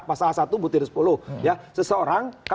pasal satu butir sepuluh